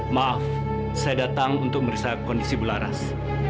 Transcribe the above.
maaf saya datang untuk merisa kondisi belaras